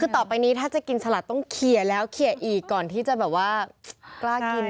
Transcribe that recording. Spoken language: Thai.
คือต่อไปนี้ถ้าจะกินสลัดต้องเคลียร์แล้วเคลียร์อีกก่อนที่จะแบบว่ากล้ากิน